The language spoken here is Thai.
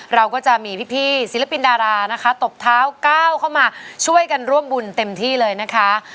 เราก็จะมีพี่ศิลปินดารานะคะตบเท้าก้าวเข้ามาช่วยกันร่วมบุญเต็มที่เลยนะคะ